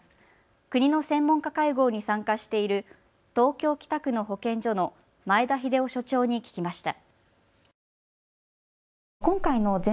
国の専門家会合に参加している東京北区の保健所の前田秀雄所長に聞きました。